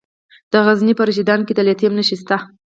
د غزني په رشیدان کې د لیتیم نښې شته.